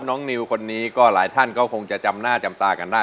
นิวคนนี้ก็หลายท่านก็คงจะจำหน้าจำตากันได้